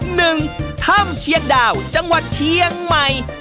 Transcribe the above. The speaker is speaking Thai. หนึ่งถ้ำเชียงดาวจังหวัดเชียงใหม่